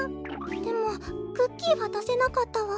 でもクッキーはだせなかったわ。